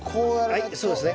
はいそうですね。